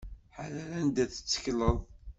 Ḥader anda ara takleḍ.